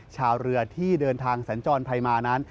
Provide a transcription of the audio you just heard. ชาวเรือที่เดินทางสัญจรไปมานั้น